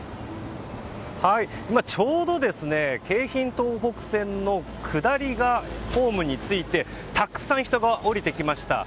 ちょうど京浜東北線の下りがホームに着いてたくさん人が降りてきました。